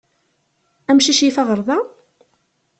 Amcic yif aɣerda?